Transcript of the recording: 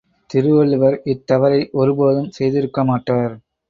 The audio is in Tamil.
திருவள்ளுவர் இத் தவறை ஒருபோதும் செய்திருக்கமாட்டார்.